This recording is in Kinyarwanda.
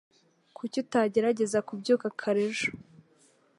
Kuki utagerageza kubyuka kare ejo?